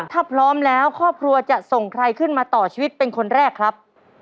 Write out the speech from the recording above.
ถ้าพร้อมแล้วครอบครัวจะส่งใครขึ้นมาต่อชีวิตเป็นคนแรกครับ